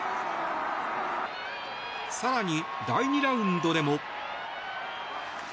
更に、第２ラウンドでも。